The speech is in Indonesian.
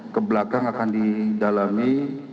kebelakang akan didalami